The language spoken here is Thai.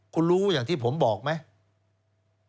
คุณรู้อย่างที่ผมบอกไหม